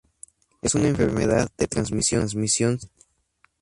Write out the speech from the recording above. Es una enfermedad de transmisión sexual.